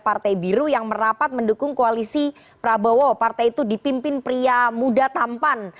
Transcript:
prabowo partai itu dipimpin pria muda tampan